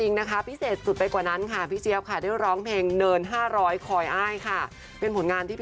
อดีตที่ค่อยจบสร้างนานวัสดีโลยจะไอ้สาวอำเภอน้ำยืน